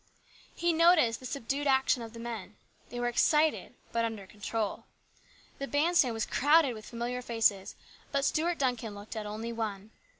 He noticed the subdued action of the men. They were excited, but under control. The band stand was crowded with familiar faces, but Stuart Duncan looked at only one.